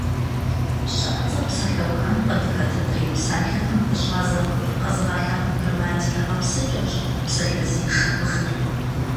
ЩыӀэцӀэр псалъэухам къыдыхэт адрей псалъэхэм пыщӀа зэрыхъур къэзыгъэлъагъуэ грамматикэ гъэпсыкӀэрщ псалъэзешэ хъужыр.